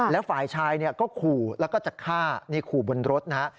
แล้วฝ่ายชายก็ขู่แล้วก็จะฆ่านี่ขู่บนรถนะฮะ